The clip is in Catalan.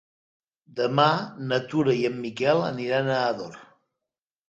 Demà na Tura i en Miquel aniran a Ador.